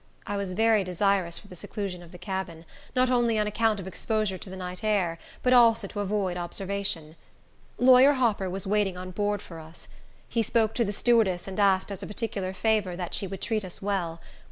I was very desirous for the seclusion of the cabin, not only on account of exposure to the night air, but also to avoid observation. Lawyer Hopper was waiting on board for us. He spoke to the stewardess, and asked, as a particular favor, that she would treat us well.